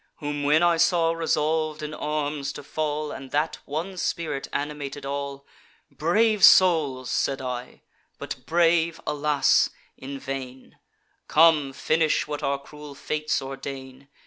Whom when I saw resolv'd in arms to fall, And that one spirit animated all: 'Brave souls!' said I, 'but brave, alas! in vain: Come, finish what our cruel fates ordain.